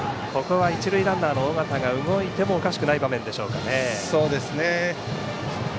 一塁ランナーの緒方が動いてもおかしくない場面でしょうか。